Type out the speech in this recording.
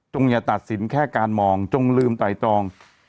อย่าตัดสินแค่การมองจงลืมไต่ตรอง